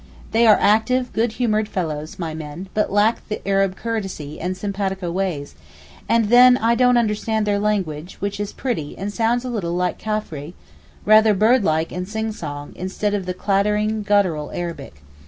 They are active good humoured fellows—my men—but lack the Arab courtesy and simpatico ways, and then I don't understand their language which is pretty and sounds a little like Caffre, rather bird like and sing song, instead of the clattering guttural Arabic.